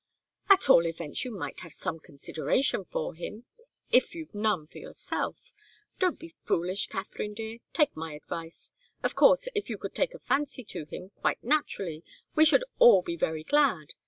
"At all events you might have some consideration for him, if you've none for yourself. Don't be foolish, Katharine dear. Take my advice. Of course, if you could take a fancy to him, quite naturally, we should all be very glad.